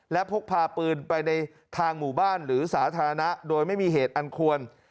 และพกพาปืนไปในทางหมู่บ้านหรือสาธารณะโดยไม่มีเหตุอันควร